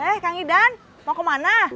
eh kang idan mau ke mana